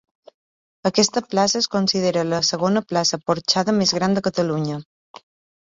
Aquesta plaça és considerada la segona plaça porxada més gran de Catalunya.